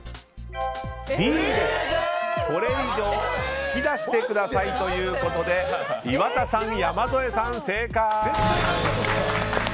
これ以上引き出してくださいということで岩田さん、山添さん、正解！